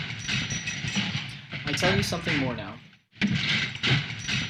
I tell you something more now.